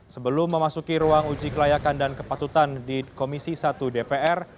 sebelum memasuki ruang uji kelayakan dan kepatutan di komisi satu dpr